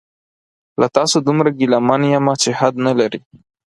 له تاسو دومره ګیله من یمه چې حد نلري